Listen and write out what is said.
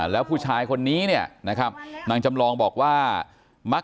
แล้วผู้ชายคนนี้ดังจำลองบอกว่า